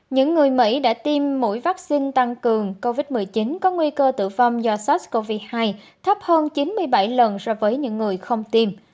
những người mỹ đã tiêm mũi vaccine tăng cường covid một mươi chín có nguy cơ tử vong do sars cov hai thấp hơn chín mươi bảy lần so với những người không tiêm